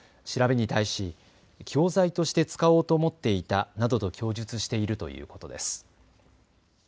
調べに対し教材として使おうと思っていたなどと供述しているということです。